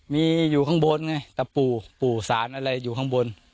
มีอยู่ข้างบนไงตะปู่ปู่สารอะไรอยู่ข้างบน